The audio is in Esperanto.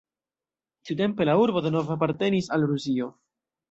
Tiutempe la urbo denove apartenis al Rusio.